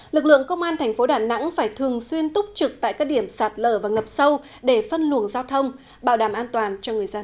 lực lượng công an thành phố đà nẵng phải thường xuyên túc trực tại các điểm sạt lở và ngập sâu để phân luồng giao thông bảo đảm an toàn cho người dân